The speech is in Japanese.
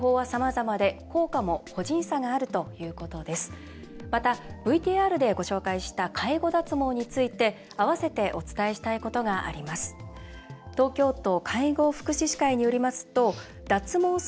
またＶＴＲでご紹介した介護脱毛について併せてお伝えしたいことがあります。